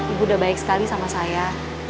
ibu udah baik sekali sama saya